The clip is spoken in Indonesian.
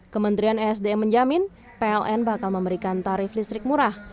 kementerian esd menjamin pln bakal memberikan tarif listrik murah